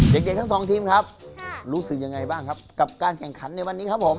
เด็กทั้งสองทีมครับรู้สึกยังไงบ้างครับกับการแข่งขันในวันนี้ครับผม